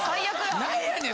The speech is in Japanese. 何やねん？